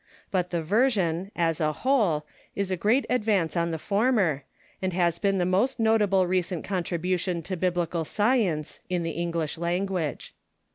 But the version, as a whole, is a great advance on the former, and has been the most nota ble recent contribution to Biblical science in the English lan gnage.